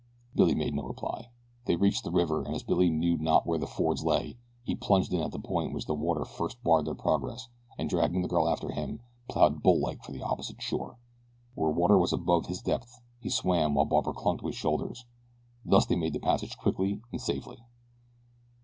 Billy made no reply. They reached the river and as Billy knew not where the fords lay he plunged in at the point at which the water first barred their progress and dragging the girl after him, plowed bull like for the opposite shore. Where the water was above his depth he swam while Barbara clung to his shoulders. Thus they made the passage quickly and safely.